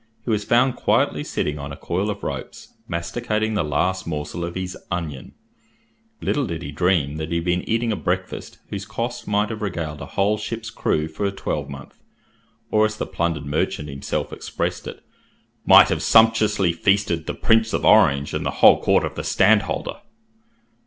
He was found quietly sitting on a coil of ropes, masticating the last morsel of his "onion". Little did he dream that he had been eating a breakfast whose cost might have regaled a whole ship's crew for a twelvemonth; or, as the plundered merchant himself expressed it, "might have sumptuously feasted the Prince of Orange and the whole court of the Stadtholder."